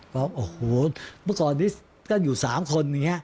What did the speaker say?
บอกโอ้โหเมื่อก่อนนี้ก็อยู่๓คนอย่างนี้